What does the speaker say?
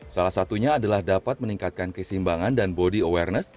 salah satunya adalah dapat meningkatkan kesimbangan dan body awareness